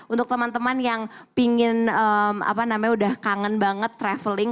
untuk teman teman yang ingin udah kangen banget traveling